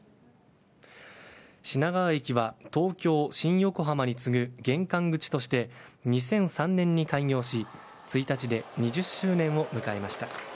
品川駅は東京、新横浜に次ぐ玄関口として２００３年に開業し１日で２０周年を迎えました。